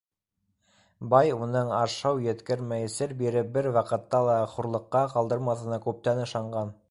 Бай уның аш-һыу еткермәй, сер биреп бер ваҡытта ла хурлыҡҡа ҡалдырмаҫына күптән ышанған.